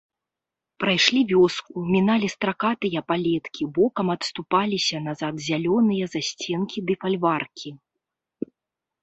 Прайшлі вёску, міналі стракатыя палеткі, бокам адступаліся назад зялёныя засценкі ды фальваркі.